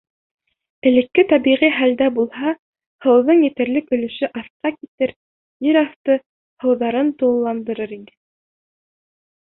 Элекке тәбиғи хәлдә булһа, һыуҙың етерлек өлөшө аҫҡа китер, ер аҫты һыуҙарын тулыландырыр ине.